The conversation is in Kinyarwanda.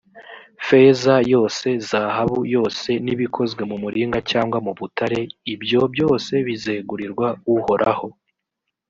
feza yose, zahabu yose, n’ibikozwe mu muringa cyangwa mu butare, ibyo byose bizegurirwa uhoraho,